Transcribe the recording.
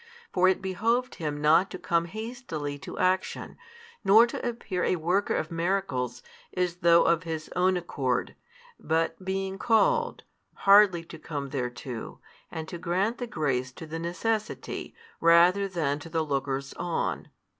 For it behoved Him not to come hastily to action, nor to appear a Worker of miracles as though of His Own accord, but, being called, hardly to come thereto, and to grant the grace to the necessity rather than to the lookers on.